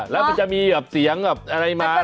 แล้วมันจะมีเสียงแบบอะไรมา